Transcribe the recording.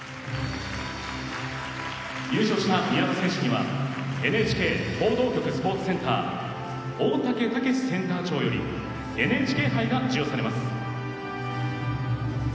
優勝した宮田選手には報道局スポーツセンター長よりＮＨＫ杯が授与されます。